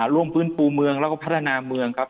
ร่วมฟื้นฟูเมืองแล้วก็พัฒนาเมืองครับ